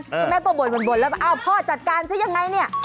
คุณแม่ก็บ่นแล้วพ่อจัดการซะอย่างไร